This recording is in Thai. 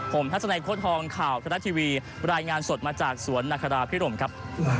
ผมทัศนัยโค้ดทองข่าวธนัดทีวีรายงานสดมาจากสวนนาคาราพิรมครับ